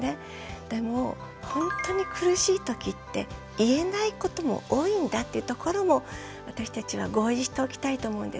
でも本当に苦しいときって言えないことも多いんだっていうところも私たちは合意しておきたいと思うんです。